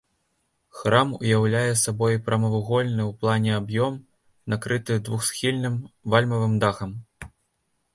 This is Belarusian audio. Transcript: Храм уяўляе сабой прамавугольны ў плане аб'ём, накрыты двухсхільным вальмавым дахам.